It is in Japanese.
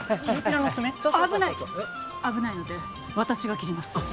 あっ危ない危ないので私が切ります